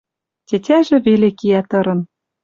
Тетяжӹ веле киӓ тырын